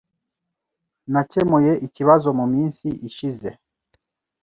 Nakemuye ikibazo muminsi ishize.